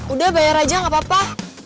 udah bayar aja gak apa apa